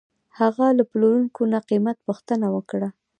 هغه له پلورونکي نه قیمت پوښتنه وکړه.